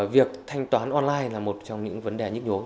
việc thanh toán online là một trong những vấn đề nhức nhối